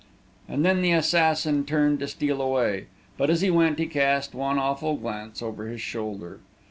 And then the assassin turned to steal away; but as he went, he cast one awful glance over his shoulder.